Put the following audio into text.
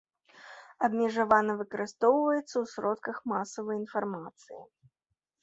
Абмежавана выкарыстоўваецца ў сродках масавай інфармацыі.